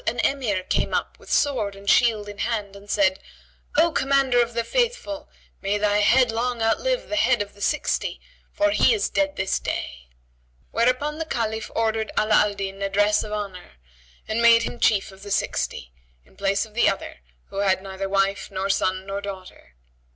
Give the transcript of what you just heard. an Emir came up with sword and shield in hand and said, "O Commander of the Faithful, may thy head long outlive the Head of the Sixty, for he is dead this day;" whereupon the Caliph ordered Ala al Din a dress of honour and made him Chief of the Sixty, in place of the other who had neither wife nor son nor daughter.